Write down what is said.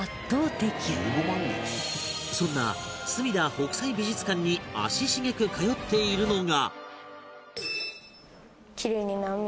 そんなすみだ北斎美術館に足しげく通っているのが